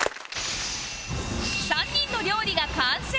３人の料理が完成！